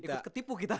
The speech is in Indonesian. jadi ikut ketipu kita